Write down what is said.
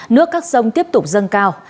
nước các sông tiếp tục dâng cao